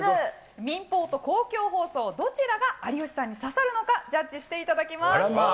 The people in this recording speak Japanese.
民放と公共放送、どちらが有吉さんにささるのか、ジャッジしていただきます。